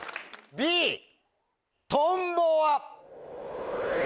Ｂ「トンボ」は？